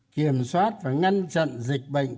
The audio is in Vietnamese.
kiểm soát và ngăn chặn dịch bệnh